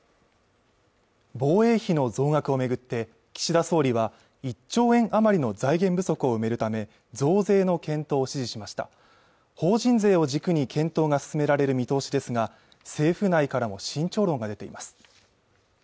防衛費の増額を巡って岸田総理は１兆円余りの財源不足を埋めるため増税の検討を指示しました法人税を軸に検討が進められる見通しですが政府内からも慎重論が出ています